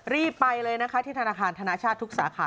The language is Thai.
รีบไปเลยนะคะที่ธนาคารธนาชาติทุกสาขา